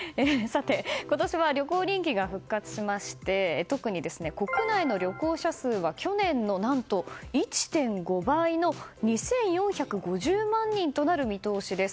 今年は旅行人気が復活しまして特に国内の旅行者数は去年の何と１．５倍の２４５０万人となる見通しです。